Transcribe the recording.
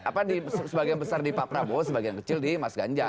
apa di sebagian besar di pak prabowo sebagian kecil di mas ganjar